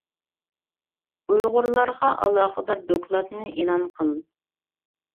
ئۇيغۇرلارغا ئالاقىدار دوكلاتنى ئېلان قىل!